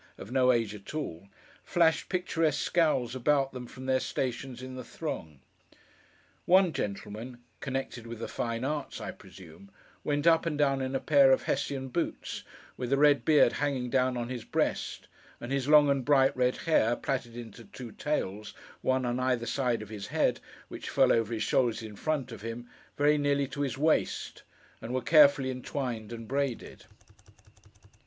of no age at all, flashed picturesque scowls about them from their stations in the throng. One gentleman (connected with the fine arts, I presume) went up and down in a pair of Hessian boots, with a red beard hanging down on his breast, and his long and bright red hair, plaited into two tails, one on either side of his head, which fell over his shoulders in front of him, very nearly to his waist, and were carefully entwined and braided!